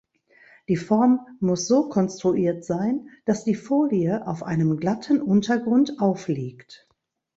Die Form muss so konstruiert sein, dass die Folie auf einem glatten Untergrund aufliegt.